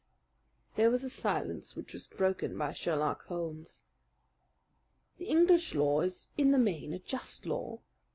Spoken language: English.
There was a silence which was broken by Sherlock Holmes. "The English law is in the main a just law.